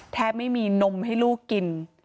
แทบไม่มีนมให้ลูกกิน